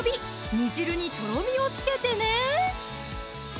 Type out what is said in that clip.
煮汁にとろみをつけてね